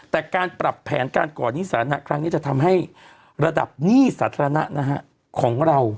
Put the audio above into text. แต่การปรับแผนการก่อนหนี้สาธารณะครั้งนี้จะทำให้ระดับหนี้สาธารณะของเรา